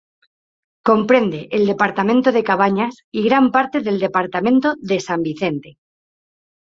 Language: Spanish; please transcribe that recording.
Comprende el departamento de Cabañas y gran parte del departamento de San Vicente.